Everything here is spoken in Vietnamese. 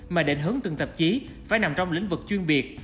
mà định hướng từng tạp chí phải nằm trong lĩnh vực chuyên biệt